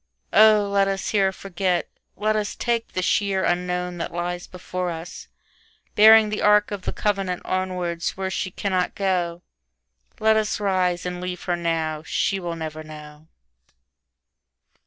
Oh, let us here forget, let us take the sheerUnknown that lies before us, bearing the arkOf the covenant onwards where she cannot go. Let us rise and leave her now, she will never know.